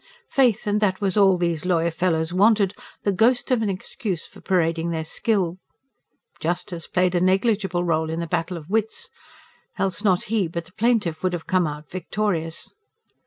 Faith and that was all these lawyer fellows wanted the ghost of an excuse for parading their skill. Justice played a negligible role in this battle of wits; else not he but the plaintiff would have come out victorious.